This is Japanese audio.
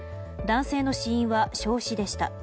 男性の死因は焼死でした。